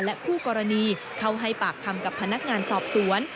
คู่กรณีเข้าให้ปากคำกับพนักงานสอบสวน